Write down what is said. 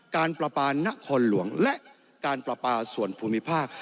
การประปานครหลวงและการประปาส่วนภูมิภาค